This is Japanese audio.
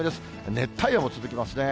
熱帯夜も続きますね。